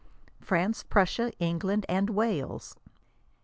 FRANCE. PRUSSIA. ENGLAND AND WALES.